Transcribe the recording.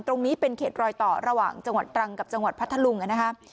ตรงนี้เป็นเขตรอยต่อระหว่างจังหวัดตรังกับจังหวัดพัทธลุงนะครับ